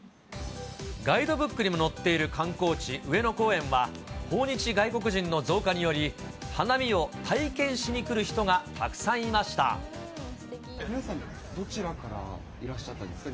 ガイドブックにも載っている観光地、上野公園は、訪日外国人の増加により、花見を体験しに来る人がたくさんいまし皆さん、どちらからいらっしゃったんですか？